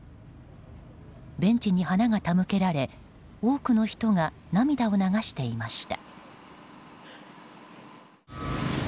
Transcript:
ベンチに花が手向けられ多くの人が涙を流していました。